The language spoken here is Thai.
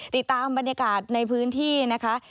ติดตามบรรยากาศในพื้นที่นะคะ